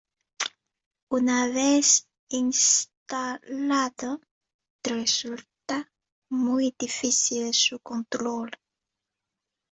Una vez instalado, resulta muy difícil su control.